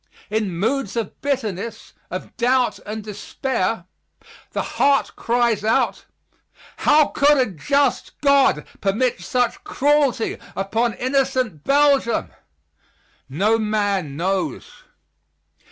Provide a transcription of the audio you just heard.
In moods of bitterness, of doubt and despair the heart cries out, "How could a just God permit such cruelty upon innocent Belgium?" No man knows.